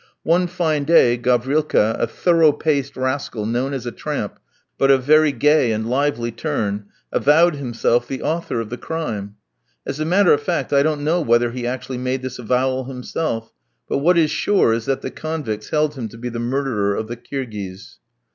One fine day Gavrilka, a thorough paced rascal, known as a tramp, but of very gay and lively turn, avowed himself the author of the crime. As a matter of fact I don't know whether he actually made this avowal himself, but what is sure is that the convicts held him to be the murderer of the Kirghiz.